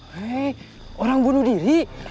hei orang bunuh diri